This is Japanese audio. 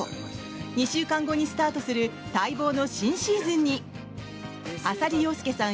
２週間後にスタートする待望の新シーズンに浅利陽介さん